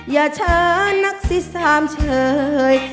อย่าเช้านักษีสามเชย